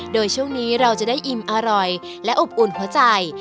โดยช่วงนี้เราจะได้อิ่มอร่อยและอบอุ่นหัวใจ